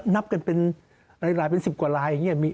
นับกันเป็นหลายเป็น๑๐กว่าลายอย่างนี้